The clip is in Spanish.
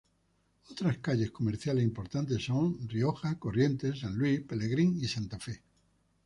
Otras calles comerciales importantes son: Rioja, Corrientes, San Luis, Pellegrini y Santa Fe.